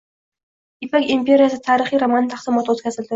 “Ipak imperiyasi” tarixiy romani taqdimoti o‘tkazilding